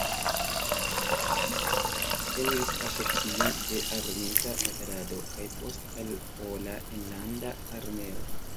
Eniris Asocion de Armita Batalado, kaj poste al Pola Enlanda Armeo.